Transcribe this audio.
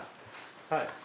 はい。